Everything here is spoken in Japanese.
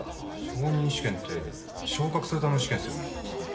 昇任試験って昇格するための試験っすよね？